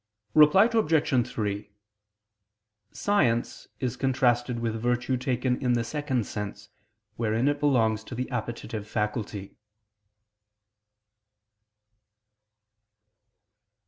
Reply Obj. 3: Science is contrasted with virtue taken in the second sense, wherein it belongs to the appetitive faculty.